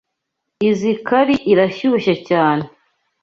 Izoi curry irashyushye cyane.